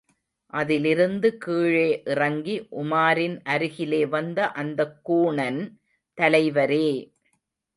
அதிலிருந்து கீழே இறங்கி உமாரின் அருகிலே வந்த அந்தக் கூணன், தலைவரே!